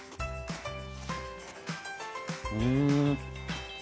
うん。